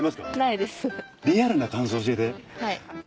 はい。